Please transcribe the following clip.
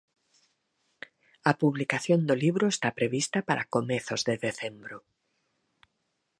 A publicación do libro está prevista para comezos de decembro.